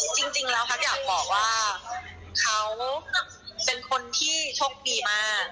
จริงแล้วพักอยากบอกว่าเขาเป็นคนที่โชคดีมาก